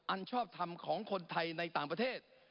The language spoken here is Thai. ชอบทำของคนไทยในต่างประเทศ